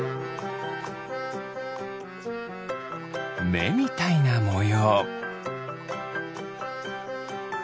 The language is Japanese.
めみたいなもよう。